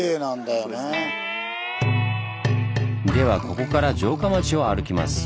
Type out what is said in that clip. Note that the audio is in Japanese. ではここから城下町を歩きます。